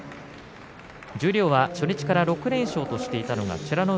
十両は初日から６連勝としていたのが美ノ